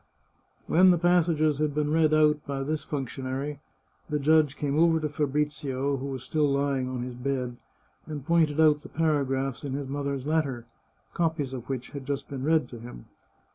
When the passages had been read out by this function ary, the judge came over to Fabrizio, who was still lying on his bed, and pointed out the paragraphs in his mother's let ter, copies of which had just been read to him.